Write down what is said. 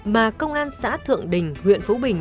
mà công an xã thượng đình huyện phú bình